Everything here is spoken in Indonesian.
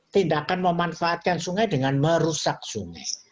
tindakan memanfaatkan sungai dengan merusak sungai